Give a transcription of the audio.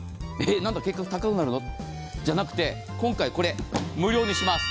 結局、高くなるの？じゃなくて今回、無料にします。